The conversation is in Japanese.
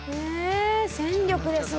戦力ですね。